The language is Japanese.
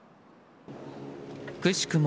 くしくも